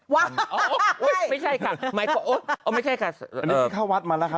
วะโอ๊ยไม่ใช่ค่ะหมายความโอ๊ยไม่ใช่ค่ะอันนี้พี่เข้าวัดมาแล้วครับ